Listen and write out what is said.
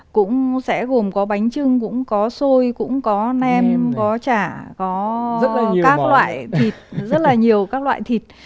cũng sẽ gồm có bánh trưng cũng có xôi cũng có nem có chả có các loại thịt rất là nhiều các loại thịt